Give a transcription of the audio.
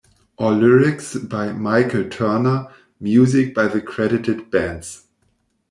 All lyrics by Michael Turner, music by the credited bands.